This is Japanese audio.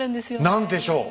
何でしょう？